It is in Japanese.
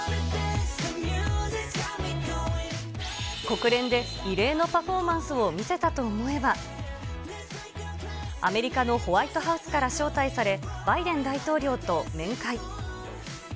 国連で異例のパフォーマンスを見せたと思えば、アメリカのホワイトハウスから招待され、バイデン大統領と面会。